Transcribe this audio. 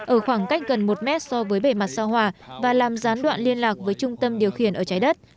ở khoảng cách gần một mét so với bề mặt sao hòa và làm gián đoạn liên lạc với trung tâm điều khiển ở trái đất